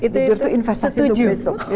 tidur itu investasi untuk besok